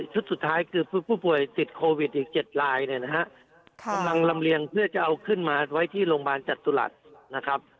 สุดท้ายคือผู้ป่วยติดโควิดอีก๗ลายเนี่ยนะฮะกำลังลำเลียงเพื่อจะเอาขึ้นมาไว้ที่โรงพยาบาลจตุรัสนะครับ